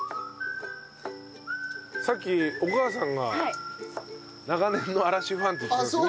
さっきお母さんが長年の嵐ファンって言ってました。